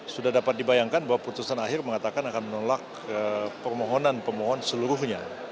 sudah dapat dibayangkan bahwa putusan akhir mengatakan akan menolak permohonan pemohon seluruhnya